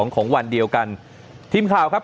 ของวันเดียวกันทีมข่าวครับ